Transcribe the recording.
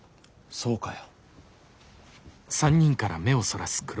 そうかよ。